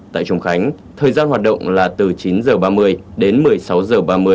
tại trung khánh thời gian hoạt động là từ chín h ba mươi đến một mươi sáu h ba mươi